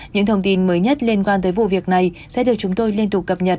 những thông tin mới nhất liên quan tới vụ việc này sẽ được chúng tôi liên tục cập nhật